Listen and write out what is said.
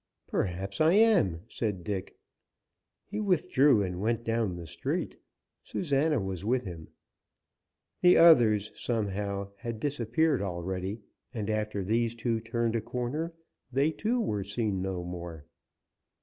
"Perhaps I am," said Dick. He withdrew, and went down the street. Susana was with him. The others, somehow, had disappeared already, and after these two turned a corner, they, too, were seen no more.